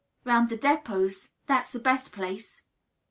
"Round the depots. That's the best place."